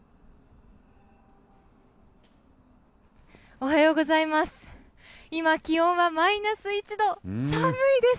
おはようございます。